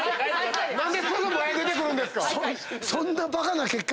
何ですぐ前出てくるんですか